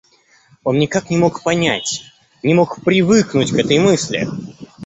Он никак не мог понять, не мог привыкнуть к этой мысли.